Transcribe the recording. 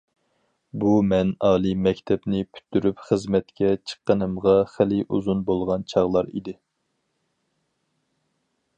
بۇ مەن ئالىي مەكتەپنى پۈتتۈرۈپ خىزمەتكە چىققىنىمغا خېلى ئۇزۇن بولغان چاغلار ئىدى.